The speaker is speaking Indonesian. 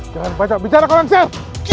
jangan banyak bicara lekser